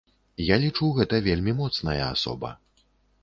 Я лічу, гэта вельмі моцная асоба.